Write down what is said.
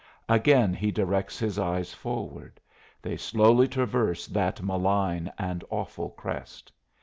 Again he directs his eyes forward; they slowly traverse that malign and awful crest.